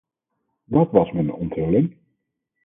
Dat was me een onthulling!